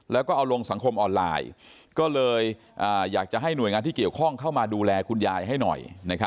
แล้วก็เอาลงสังคมออนไลน์ก็เลยอยากจะให้หน่วยงานที่เกี่ยวข้องเข้ามาดูแลคุณยายให้หน่อย